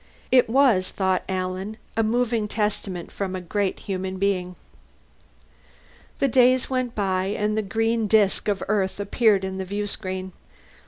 It was, thought Alan, a moving testament from a great human being. The days went by, and the green disk of Earth appeared in the viewscreen.